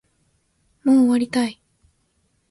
もう終わりたい